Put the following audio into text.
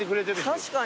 確かに。